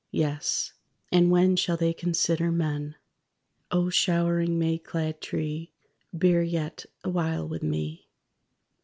Yes. And when Shall they consider Men? (_O showering May clad tree, Bear yet awhile with me.